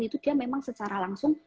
itu dia memang secara langsung